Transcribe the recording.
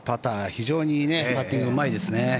非常にパッティングうまいですね。